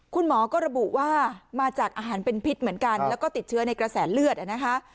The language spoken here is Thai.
คุณหมอก็ระบุว่ามาจากอาหารเป็นพิษเหมือนกันแล้วก็ติดเชื้อในกระแสเลือดนะคะ